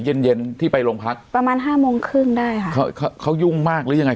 เย็นเย็นที่ไปโรงพักประมาณห้าโมงครึ่งได้ค่ะเขาเขายุ่งมากหรือยังไง